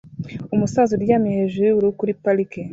Umusaza uryamye hejuru yubururu kuri parike